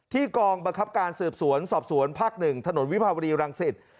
กองบังคับการสืบสวนสอบสวนภาค๑ถนนวิภาวดีรังสิต